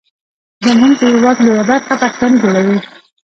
زمونږ د هیواد لویه برخه پښتانه جوړوي.